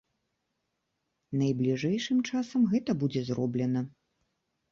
Найбліжэйшым часам гэта будзе зроблена.